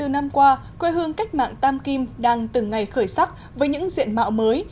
bốn mươi năm qua quê hương cách mạng tam kim đang từng ngày khởi sắc với những diện mạo mới